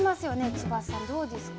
翼さん、どうですか。